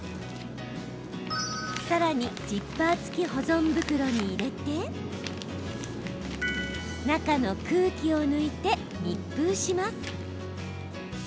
さらに、ジッパー付き保存袋に入れて中の空気を抜いて密封します。